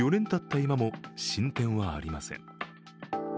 今も進展はありません。